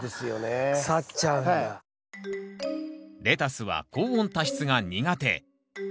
レタスは高温多湿が苦手。